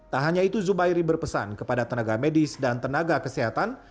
tak hanya itu zubairi berpesan kepada tenaga medis dan tenaga kesehatan